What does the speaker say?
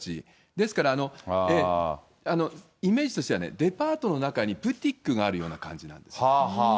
ですから、イメージとしてはデパートの中にブティックがあるような感じなんですよ。